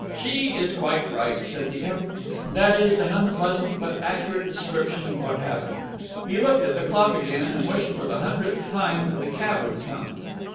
She is quite right, said the imp. That is an unpleasant but accurate description of what happened. He looked at the clock again, and wished for the hundredth time that the cab would come.